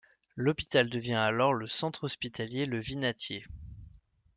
L'hôpital devient alors le Centre Hospitalier Le Vinatier.